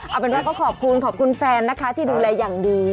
เอาเป็นด้วยก็ขอบคุณคาบคุณแฟนที่ดูแลอย่างดี